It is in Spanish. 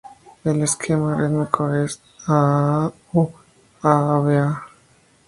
El esquema rítmico es "a a a a" o "a a b a".